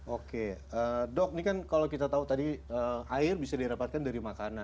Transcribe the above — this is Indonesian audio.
oke dok ini kan kalau kita tahu tadi air bisa didapatkan dari makanan